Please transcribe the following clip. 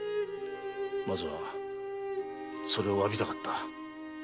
まずはそれを詫びたかった。